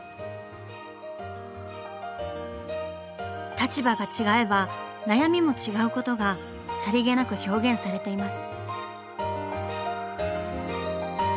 立場が違えば悩みも違うことがさりげなく表現されています。